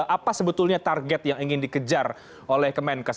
apa sebetulnya target yang ingin dikejar oleh kemenkes